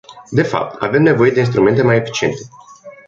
De fapt, avem nevoie de instrumente mai eficiente.